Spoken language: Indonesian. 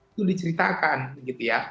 itu diceritakan begitu ya